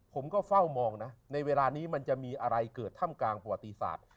ผมก็เฝ้ามองนะในเวลานี้มันจะมีอะไรเกิดถ้ำกลางประวัติศาสตร์